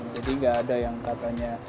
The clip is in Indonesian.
jadi gak ada yang katanya